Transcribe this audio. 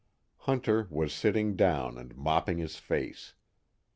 Hunter was sitting down and mopping his face.